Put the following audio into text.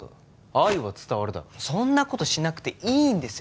愛は伝わるだろそんなことしなくていいんですよ